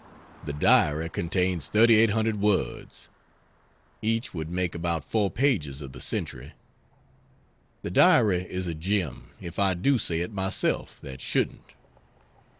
The "Diary" contains 3,800 words. Each would make about 4 pages of the Century. The Diary is a gem, if I do say it myself that shouldn't.